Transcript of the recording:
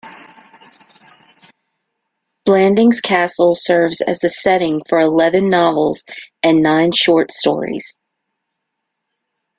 Blandings Castle serves as the setting for eleven novels and nine short stories.